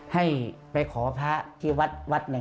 ให้ไปขอพะที่วดวัด๑